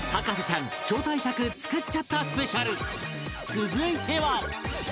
続いては